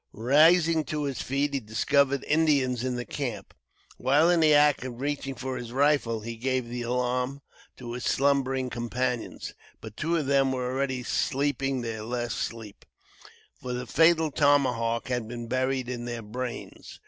Rising to his feet, he discovered Indians in the camp. While in the act of reaching for his rifle, he gave the alarm, to his slumbering companions; but, two of them were already sleeping their last sleep, for the fatal tomahawk had been buried in their brains.